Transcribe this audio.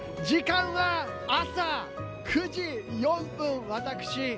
時間は、朝９時４分！